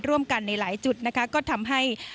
ร่วมกันในหลายจุดนะคะก็ทำให้